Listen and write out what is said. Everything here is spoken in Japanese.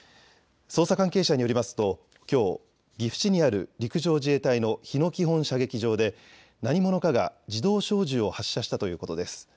捜査関係者によりますときょう岐阜市にある陸上自衛隊の日野基本射撃場で何者かが自動小銃を発射したということです。